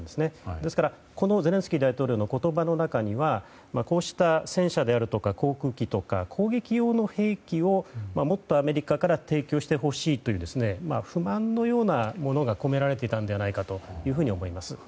ですから、ゼレンスキー大統領のこの言葉の中にはこうした戦車であるとか航空機であるとか攻撃用の兵器をもっとアメリカから提供してほしいという不満のようなものが込められていたのではないかと思います。